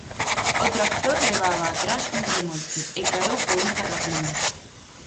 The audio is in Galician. O tractor levaba atrás un remolque, e caeu por un terraplén.